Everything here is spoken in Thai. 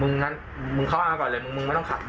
งั้นมึงเข้ามาก่อนเลยมึงมึงไม่ต้องขับ